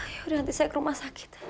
ya udah nanti saya ke rumah sakit